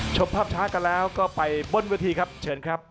ชมภาพช้ากันแล้วก็ไปบนเวทีครับเชิญครับ